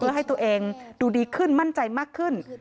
เพื่อให้ตัวเองดูดีขึ้นมั่นใจมากขึ้น